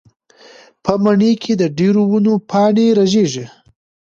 په مني کې د ډېرو ونو پاڼې رژېږي.